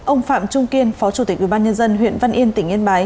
ông phạm trung kiên phó chủ tịch ubnd huyện văn yên tỉnh yên bái